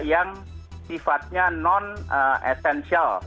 yang sifatnya non essential